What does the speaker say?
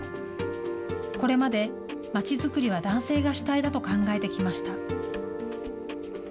これまで町作りは男性が主体だと考えてきました。